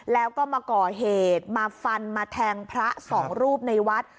แล้วก็มาก่อเหตุมาฟันมาแทงพระสองรูปในวัด